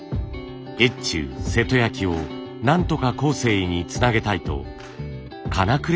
越中瀬戸焼をなんとか後世につなげたいとかな